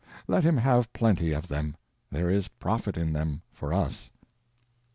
Let him have plenty of them; there is profit in them for us.